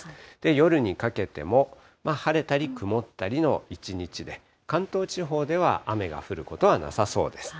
夜にかけても晴れたり曇ったりの一日で、関東地方では雨が降ることはなさそうです。